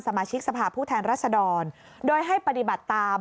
สมาชิกสภาพผู้แทนรัศดรโดยให้ปฏิบัติตาม